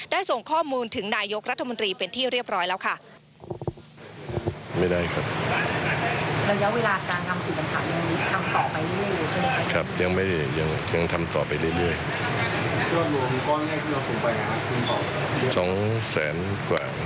ส่งข้อมูลถึงนายกรัฐมนตรีเป็นที่เรียบร้อยแล้วค่ะ